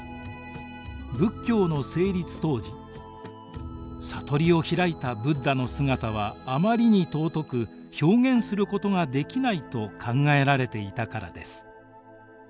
仏教の成立当時悟りを開いたブッダの姿はあまりに尊く表現することができないと考えられていたからです。